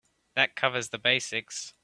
That covers the basics.